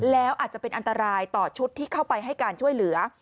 แล้วอาจจะเป็นอันตรายต่อชุดที่เข้าไปให้การช่วยเหลือ